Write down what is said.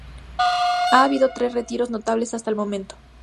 Ha habido tres retiros notables hasta el momento.